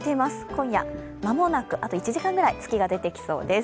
今夜間もなく、あと１時間くらい月が出てきそうです。